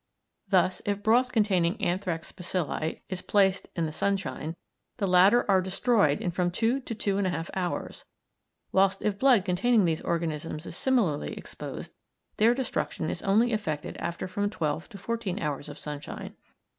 Thus, if broth containing anthrax bacilli is placed in the sunshine, the latter are destroyed in from two to two and a half hours, whilst if blood containing these organisms is similarly exposed, their destruction is only effected after from twelve to fourteen hours of sunshine.